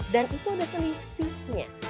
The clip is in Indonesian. dan itu ada selisihnya